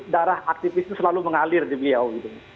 darah aktivis itu selalu mengalir di beliau